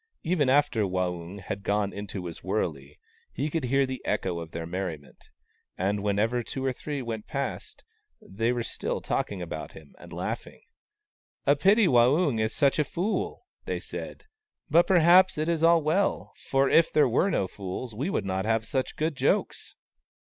Even after Waung had gone into his wurley, he could hear the echo of their merriment ; and whenever two or three went past, they were still talking about him and laughing. " A pity Waung is such a fool !" they said. " But perhaps it is as well, for if there were no fools we would not have such good jokes